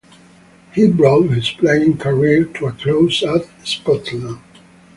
He brought his playing career to a close at Spotland.